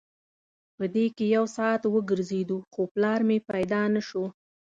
په دې کې یو ساعت وګرځېدو خو پلار مې پیدا نه شو.